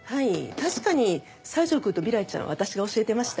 確かに西條くんと未来ちゃんは私が教えてました。